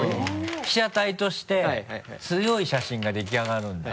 被写体として強い写真ができあがるんだ。